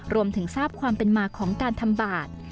รวมถึงทราบความเป็นมาของการทำบาท